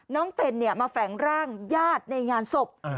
เต็นมาแฝงร่างญาติในงานศพ